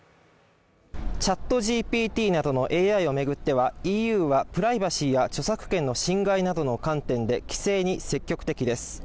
ＣｈａｔＧＰＴなどのＡＩを巡ってはＥＵはプライバシーや著作権の侵害などの観点で規制に積極的です。